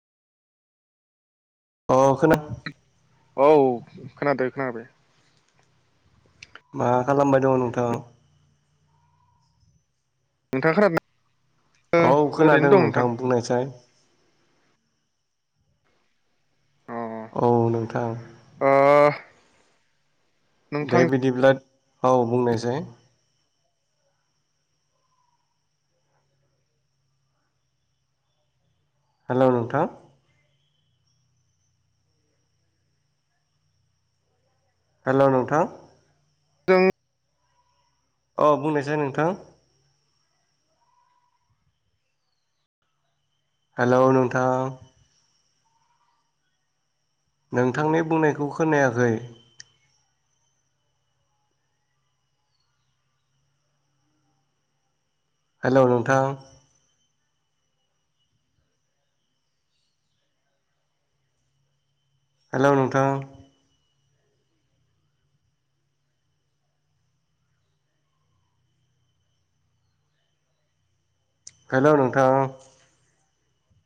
अ खोना औ खोनादो खोनादो। मा खालामबाय दङ' नोंथां? नोंथाङा खोनादों ना? औ ओ ओरैनो खोनादों दं नोंथां। बुंनायसाय अ अ अ नोंथां अ दे बिदिब्लाद औ बुंनायसाय हेलौ नोंथां हेलौ नोंथां जों अ बुंनायसाय नोंथां। हेल' नोंथां नोंथांनि बुंनायखौ खोनायाखै हेल' नोंथां हेल' नोंथां हेल' नोंथां